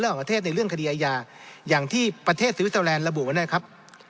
ของประเทศในเรื่องคดีอาญาอย่างที่ประเทศสวิสเตอร์แลนดระบุไว้นะครับ